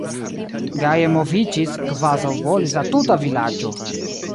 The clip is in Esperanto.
Gaje moviĝis, kvazaŭ bolis la tuta vilaĝo!